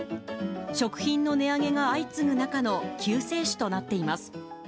食品の値上げが相次ぐ中の救世主となっています。